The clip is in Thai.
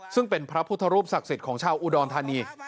ซึ่งเป็นพระพุทธรูปศักดิ์สิทธิ์ของชาวอุดรธานี